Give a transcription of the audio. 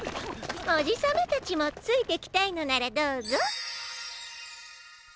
おじさまたちもついてきたいのならどうぞ。